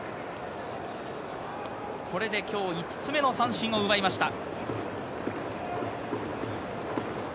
これで今日５つ目の三振を奪いました。